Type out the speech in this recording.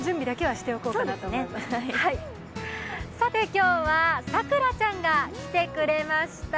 今日はさくらちゃんが来てくれました。